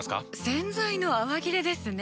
洗剤の泡切れですね。